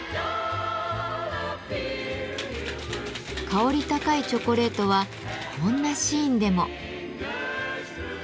香り高いチョコレートはこんなシーンでも。